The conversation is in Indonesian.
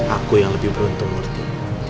aku yang lebih beruntung mengerti